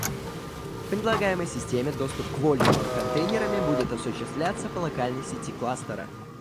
В предлагаемой системе доступ к вольюмам контейнерами будет осуществляться по локальной сети кластера